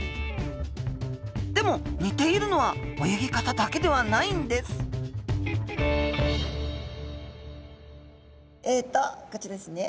でも似ているのは泳ぎ方だけではないんですえとこちらですね。